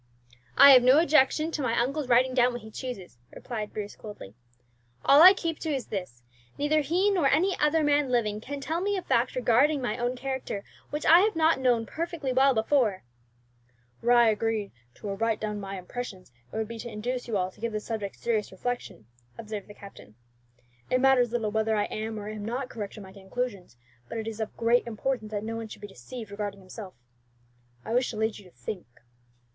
"I have no objection to my uncle's writing down what he chooses," replied Bruce coldly. "All that I keep to is this, neither he nor any other man living can tell me a fact regarding my own character which I have not known perfectly well before." "Were I to agree to write down my impressions, it would be to induce you all to give the subject serious reflection," observed the captain. "It matters little whether I am or am not correct in my conclusions; but it is of great importance that no one should be deceived regarding himself. I wish to lead you to think."